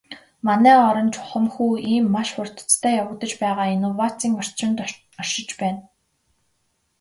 Манай орон чухамхүү ийм маш хурдацтай явагдаж байгаа инновацийн орчинд оршиж байна.